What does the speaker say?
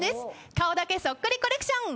顔だけそっくりコレクション。